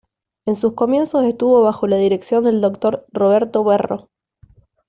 En sus comienzos estuvo bajo la dirección del Dr. Roberto Berro.